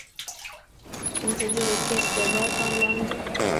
هون سجو هيڪي جڳهه تا لان تو.